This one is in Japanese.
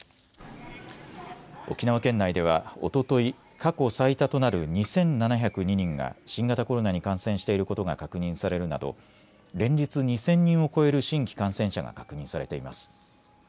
沖縄県内ではおととい過去最多となる２７０２人が新型コロナに感染していることが確認されるなど連日２０００人を超える新規感染者が確認されています。